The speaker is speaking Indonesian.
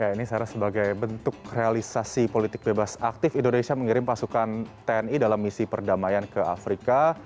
ini saya rasa sebagai bentuk realisasi politik bebas aktif indonesia mengirim pasukan tni dalam misi perdamaian ke afrika